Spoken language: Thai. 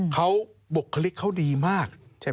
เขาบุคลิกเขาดีมาก